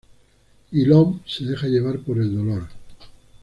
Guillaume se deja llevar por el dolor.